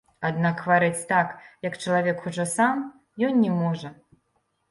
Аднак хварэць так, як чалавек хоча сам, ён не можа.